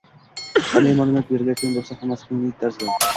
qanday ma’lumot berilayotgan bo’lsa hammasi ko’ngilli tarzda